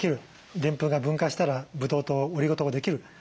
でんぷんが分解したらブドウ糖オリゴ糖ができる。